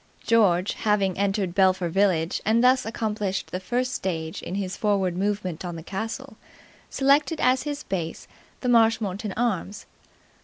George, having entered Belpher village and thus accomplished the first stage in his foreward movement on the castle, selected as his base the Marshmoreton Arms.